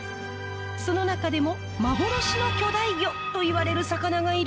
その中でも幻の巨大魚といわれる魚がいるんです。